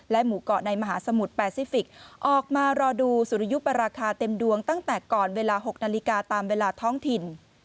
หมู่เกาะในมหาสมุทรแปซิฟิกออกมารอดูสุริยุปราคาเต็มดวงตั้งแต่ก่อนเวลา๖นาฬิกาตามเวลาท้องถิ่น